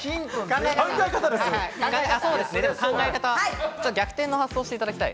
でも考え方、逆転の発想をしていただきたい。